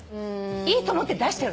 いいと思って出してる。